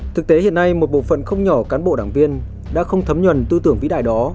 thực tế hiện nay một bộ phận không nhỏ cán bộ đảng viên đã không thấm nhuần tư tưởng vĩ đại đó